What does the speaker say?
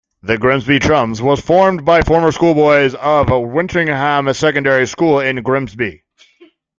The "Grimsby Chums" was formed by former schoolboys of Wintringham Secondary School in Grimsby.